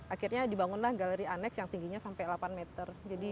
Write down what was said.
akhirnya dibangunlah galeri aneks yang tingginya sampai delapan meter